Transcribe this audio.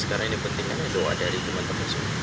karena ini pentingnya doa dari teman teman